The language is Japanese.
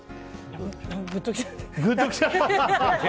グッときちゃった。